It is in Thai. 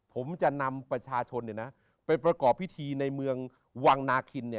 ผมจะนำประชาชนไปประกอบพิธีในเมืองวังนาคิน